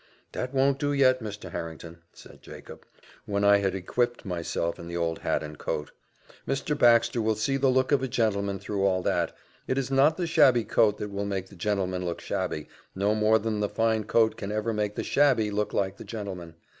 "That won't do yet, Mr. Harrington," said Jacob, when I had equipped myself in the old hat and coat. "Mr. Baxter will see the look of a gentleman through all that. It is not the shabby coat that will make the gentleman look shabby, no more than the fine coat can ever make the shabby look like the gentleman.